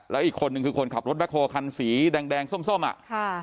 แล้วอีกคนนึงคือคนขับรถแบ็คโฮคันสีแดงแดงส้มส้มอ่ะค่ะ